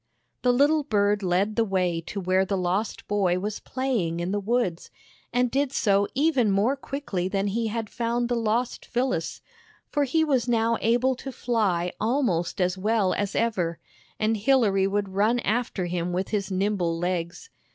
The little bird led the way to where the lost boy was playing in the woods, and did so even more quickly than he had found the lost Phyllis, for he was. now able to fly almost as well as ever, and Hilary would run after him with his nimble legs.